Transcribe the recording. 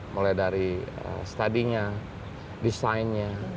mulai dari studinya desainnya